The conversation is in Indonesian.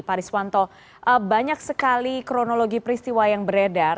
paris wanto banyak sekali kronologi peristiwa yang beredar